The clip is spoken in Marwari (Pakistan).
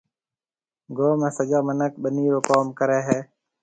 گوم ۾ سجا مِنک ٻنِي رو ڪوم ڪريَ هيَ۔